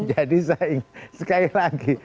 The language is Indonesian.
jadi saya sekali lagi